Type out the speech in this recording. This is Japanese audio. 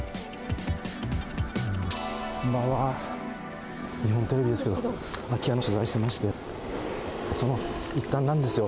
こんばんは、日本テレビですけど、空き家の取材してまして、その一環なんですよ。